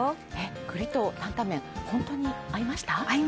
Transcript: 栗と担々麺、本当に合いました？